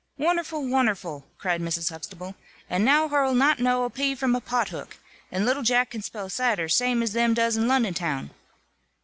"Wonnerful! wonnerful!" cried Mrs. Huxtable, "and now her'll not know a p from a pothook. And little Jack can spell zider, zame as 'em does in Lonnon town!"